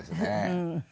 うん。